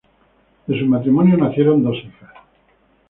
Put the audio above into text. De su matrimonio nacieron dos hijas.